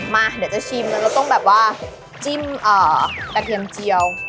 มาเดี๋ยวจะชิมแล้วเราต้องแบบว่าจิ้มกระเทียมเจียว